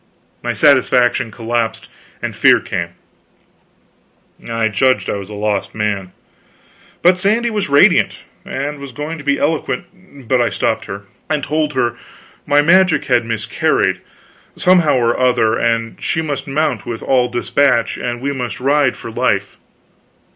My satisfaction collapsed, and fear came; I judged I was a lost man. But Sandy was radiant; and was going to be eloquent but I stopped her, and told her my magic had miscarried, somehow or other, and she must mount, with all despatch, and we must ride for life.